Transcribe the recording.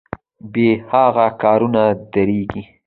بې هغه کارونه دریږي.